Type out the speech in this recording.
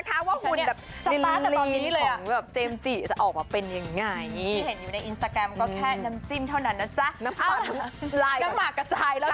แต่ว่าพี่ที่เองผมก็อยากจะชวนครับ